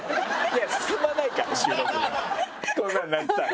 こんなになったら。